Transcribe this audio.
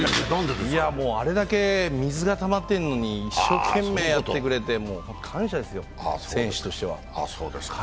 あれだけ水がたまってるのに一生懸命やってくれて、感謝ですよ、選手としては。